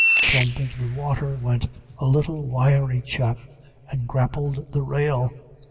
Plump into the water went a little wiry chap and grappled the rail.